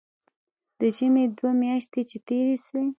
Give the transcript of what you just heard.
د ژمي دوې مياشتې چې تېرې سوې.